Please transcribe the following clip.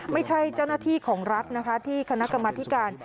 ไม่ใช่เจ้าหน้าที่ของรัฐนะคะที่คณะกรรมธิการ